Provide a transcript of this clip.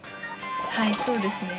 はいそうですね。